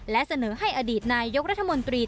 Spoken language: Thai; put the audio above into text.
และเสนอให้อดีตนายกรัฐมนตรี